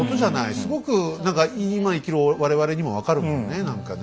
すごく何か今生きる我々にも分かるもんね何かね。